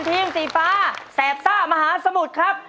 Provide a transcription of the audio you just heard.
ทีมสีฟ้าแสบซ่ามหาสมุทรครับ